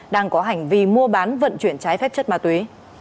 đang có hành vi mua bán vận chuyển trái phép chất ma túy